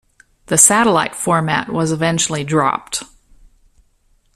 The satellite format was eventually dropped.